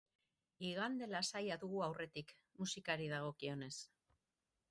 Igande lasaia dugu aurretik, musikari dagokionez.